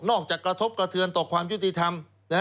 กระทบกระเทือนต่อความยุติธรรม